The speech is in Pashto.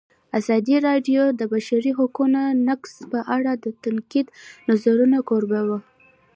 ازادي راډیو د د بشري حقونو نقض په اړه د نقدي نظرونو کوربه وه.